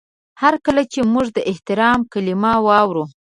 هر کله چې موږ د احترام کلمه اورو